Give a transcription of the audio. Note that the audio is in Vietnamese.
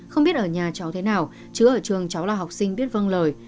không biết ở nhà cháu thế nào chứ ở trường cháu là học sinh biết vâng lời